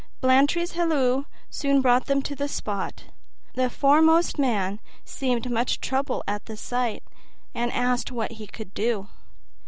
Blantyre's halloo soon brought them to the spot. The foremost man seemed much troubled at the sight, and asked what he could do.